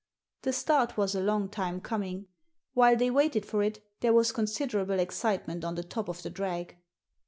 The start was a long time coming. While they waited for it there was considerable excitement on the top of the drag.